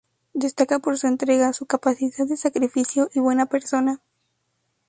Destaca por su entrega, su capacidad de sacrificio y buena persona.